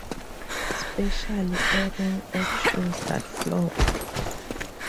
Special airing of shows that flopped.